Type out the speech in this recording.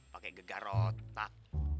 pakai gg rotak